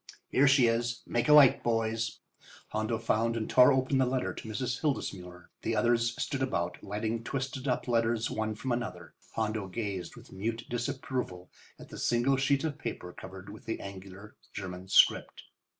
Here she is. Make a light, boys." Hondo found and tore open the letter to Mrs. Hildesmuller. The others stood about, lighting twisted up letters one from another. Hondo gazed with mute disapproval at the single sheet of paper covered with the angular German script.